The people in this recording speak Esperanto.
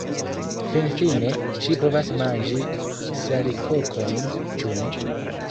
Finfine, ŝi povas manĝi salikokojn, ĉu ne?